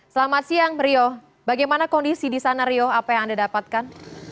selamat siang rio bagaimana kondisi di sana rio apa yang anda dapatkan